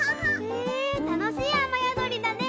へぇたのしいあまやどりだね！